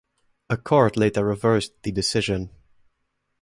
A court later reversed the decision.